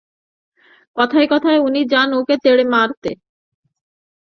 কথায় কথায় উনি যান ওকে তেড়ে মারতে।